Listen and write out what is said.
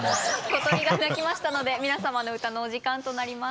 小鳥が鳴きましたので皆さまの歌のお時間となります。